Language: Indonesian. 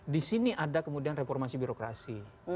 disini ada kemudian reformasi birokrasi